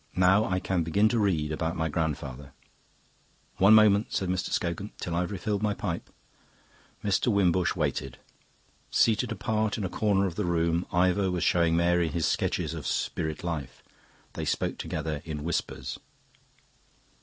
"Now I can begin to read about my grandfather." "One moment," said Mr. Scogan, "till I've refilled my pipe." Mr. Wimbush waited. Seated apart in a corner of the room, Ivor was showing Mary his sketches of Spirit Life. They spoke together in whispers.